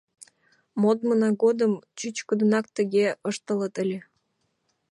Модмына годым чӱчкыдынак тыге ыштылыт ыле.